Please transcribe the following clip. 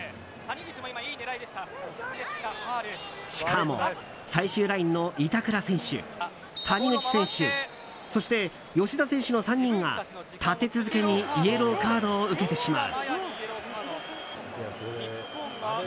しかも、最終ラインの板倉選手、谷口選手そして、吉田選手の３人が立て続けにイエローカードを受けてしまう。